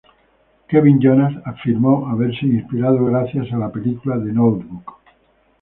Kevin Jonas afirmó haberse inspirado gracias a la película The Notebook.